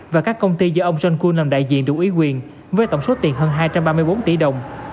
và các công ty do ông john kun làm đại diện đủ ý quyền với tổng số tiền hơn hai trăm ba mươi bốn tỷ đồng